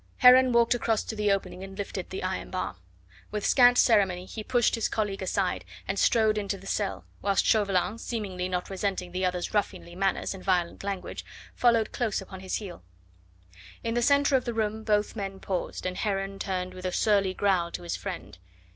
Heron walked across to the opening and lifted the iron bar. With scant ceremony he pushed his colleague aside and strode into the cell, whilst Chauvelin, seemingly not resenting the other's ruffianly manners and violent language, followed close upon his heel. In the centre of the room both men paused, and Heron turned with a surly growl to his friend.